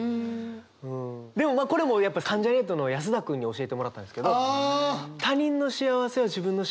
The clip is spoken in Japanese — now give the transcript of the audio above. でもまあこれも関ジャニ∞の安田君に教えてもらったんですけど。